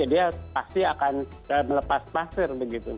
dia pasti akan melepas pasir